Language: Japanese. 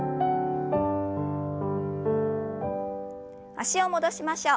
脚を戻しましょう。